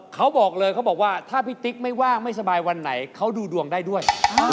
เขาบอกเลยเขาบอกว่าถ้าพี่ติ๊กไม่ว่างไม่สบายวันไหนเขาดูดวงได้ด้วย